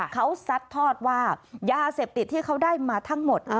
เขาซัดทอดว่ายาเสพติดที่เขาได้มาทั้งหมด